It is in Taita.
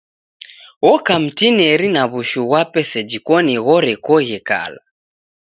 Oka mtineri na wushu ghwape seji koni ghorekoghe kala.